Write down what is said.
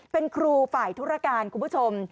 เป็นครูฝ่ายธุรการคุณผู้ชม